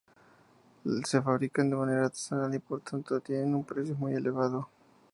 Se fabrican de manera artesanal y por tanto tienen un precio muy elevado.